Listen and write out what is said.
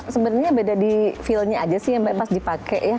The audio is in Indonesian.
sebenarnya beda di feelnya aja sih yang pas dipakai ya